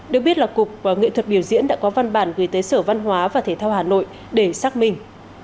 được biết là cục nghệ thuật biểu diễn đã có văn bản gửi tới sở văn hóa và thể thao hà nội để xác minh